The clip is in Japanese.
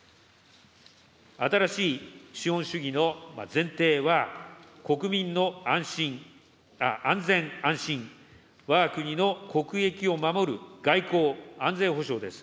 新しい資本主義の前提は国民の安全・安心、わが国の国益を守る外交・外交・安全保障です。